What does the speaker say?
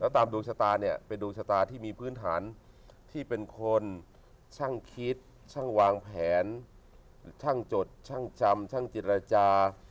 ตามดวงชะตาเนี่ยเป็นดวงชะตาที่มีพื้นฐานที่เป็นคนช่างคิดช่างวางแผนช่างจดช่างจำช่างจิตรจา